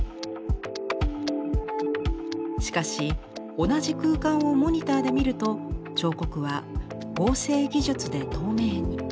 しかし同じ空間をモニターで見ると彫刻は合成技術で透明に。